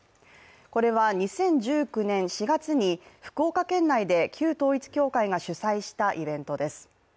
これは２０１９年４月に福岡県内で旧統一教会が主催したイベントです。